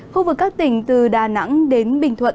khu vực các tỉnh từ đà nẵng đến bình thuận